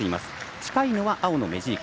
近いのは青のメジーク。